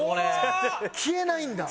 消えないんだ。